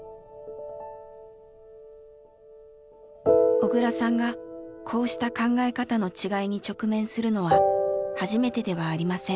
小倉さんがこうした考え方の違いに直面するのは初めてではありません。